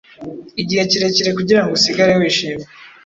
Igihe kirekire kugirango usigare wishimye